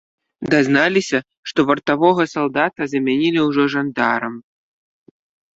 Дазналіся, што вартавога салдата замянілі ўжо жандарам.